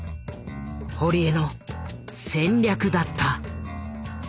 堀江の戦略だった。